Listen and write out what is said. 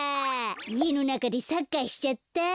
いえのなかでサッカーしちゃった。